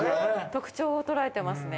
特徴をとらえてますね。